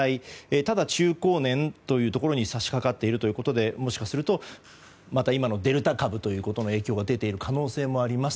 ただ、中高年というところに差し掛かっているというところでもしかするとまた今のデルタ株の影響が出ている可能性もあります。